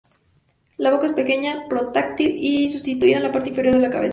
La boca es pequeña, protráctil y situada en la parte inferior de la cabeza.